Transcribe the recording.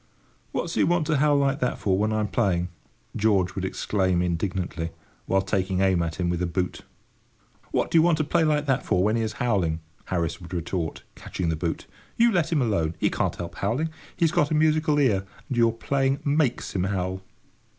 "What's he want to howl like that for when I'm playing?" George would exclaim indignantly, while taking aim at him with a boot. "What do you want to play like that for when he is howling?" Harris would retort, catching the boot. "You let him alone. He can't help howling. He's got a musical ear, and your playing makes him howl."